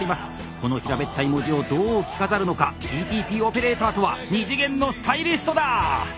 この平べったい文字をどう着飾るのかＤＴＰオペレーターとは二次元のスタイリストだ！